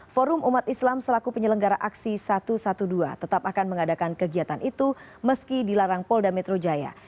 forum umat islam selaku penyelenggara aksi satu ratus dua belas tetap akan mengadakan kegiatan itu meski dilarang polda metro jaya